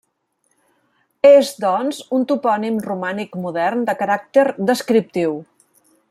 És, doncs, un topònim romànic modern de caràcter descriptiu.